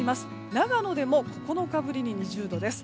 長野でも９日ぶりに２０度です。